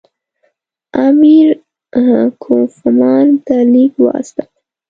امیر کوفمان ته لیک واستاوه.